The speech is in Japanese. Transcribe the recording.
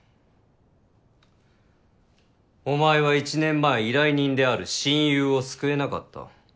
お前は１年前依頼人である親友を救えなかった。